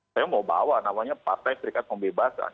saya mau bawa namanya partai serikat pembebasan